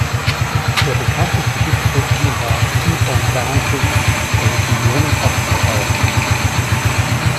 Der bekannteste Hit von ihnen war „Keep on Dancin’“, der sich millionenfach verkaufte.